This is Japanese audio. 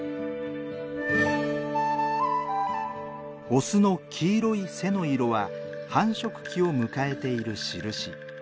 オスの黄色い背の色は繁殖期を迎えているしるし。